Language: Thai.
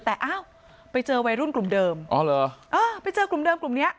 แต่ไปเจอวัยรุ่นกลุ่มเดิมไปเจอกลุ่มเดิมกลุ่มนี้